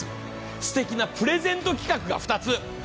すてきなプレゼント企画が２つ。